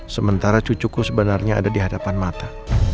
sementara cucuku sebenarnya ada di hadapan mata